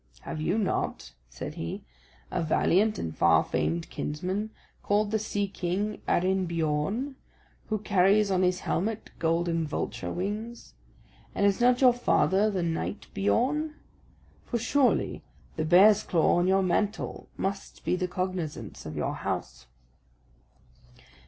"Have you not," said he, "a valiant and far famed kinsman, called the Sea king Arinbiorn, who carries on his helmet golden vulture wings? And is not your father the knight Biorn? For surely the bear's claw on your mantle must be the cognisance of your house."